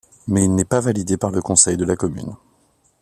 Mais il n'est pas validé par le conseil de la commune.